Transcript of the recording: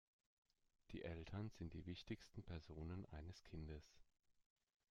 Die Eltern sind die wichtigsten Personen eines Kindes.